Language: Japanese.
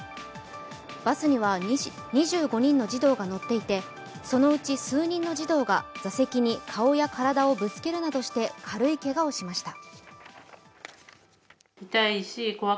バスには２５人の児童が乗っていてそのうち数人の児童が座席に顔や体をぶつけるなどして軽いけがをしました。